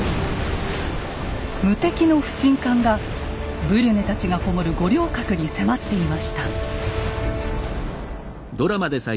無敵の不沈艦がブリュネたちが籠もる五稜郭に迫っていました。